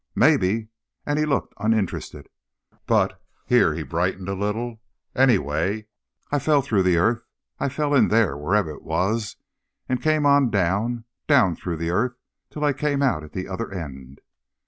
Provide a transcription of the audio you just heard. "Maybe," and he looked uninterested. "But," here he brightened a little, "anyway, I fell through the earth. I fell in there, wherever it was, and came on down, down through the earth till I came out at the other end."